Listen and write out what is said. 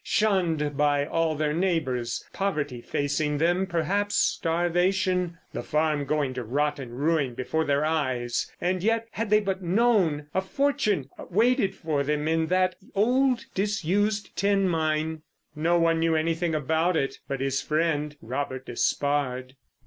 Shunned by all their neighbours. Poverty facing them, perhaps starvation, the farm going to rot and ruin before their eyes. And yet, had they but known, a fortune waited for them in that old, disused tin mine. No one knew anything about it but his friend, Robert Despard.